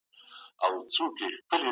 ایا افغان سوداګر انځر پروسس کوي؟